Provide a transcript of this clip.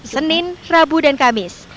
senin rabu dan kamis